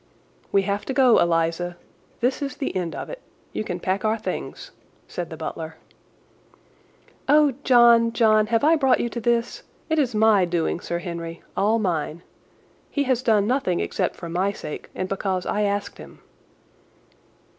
"We have to go, Eliza. This is the end of it. You can pack our things," said the butler. "Oh, John, John, have I brought you to this? It is my doing, Sir Henry—all mine. He has done nothing except for my sake and because I asked him."